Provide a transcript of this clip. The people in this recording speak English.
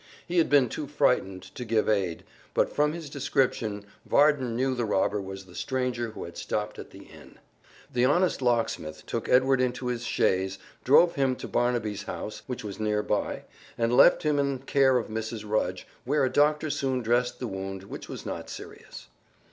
He had been too frightened to give aid, but from his description Varden knew the robber was the stranger who had stopped at the inn. The honest locksmith took Edward into his chaise, drove him to Barnaby's house, which was near by, and left him in care of Mrs. Rudge, where a doctor soon dressed the wound, which was not serious.